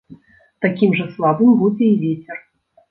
Такім жа слабым будзе і вецер.